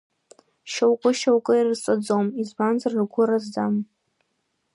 Шьоукы-шьоукы ирызҵаӡом, избанзар, ргәы разӡам.